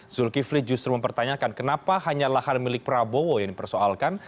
zulkifli justru mempertanyakan kenapa hanya lahan milik prabowo yang dipersoalkan